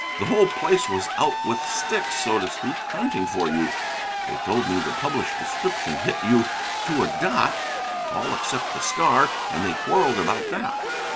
The whole place was out with sticks, so to speak, hunting for you. They told me the published description hit you to a dot, all except the scar, and they quarrelled about that.